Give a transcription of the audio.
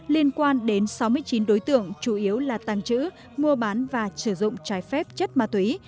liên quan đến sáu mươi chín đối tượng chủ yếu là tàng trữ mua bán và sử dụng trái phép chất ma túy